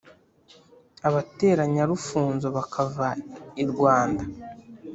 abatera nyarufunzo bakava i rwanda.